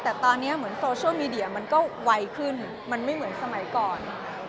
แต่ตอนนี้เหมือนโซเชียลมีเดียมันก็ไวขึ้นมันไม่เหมือนสมัยก่อน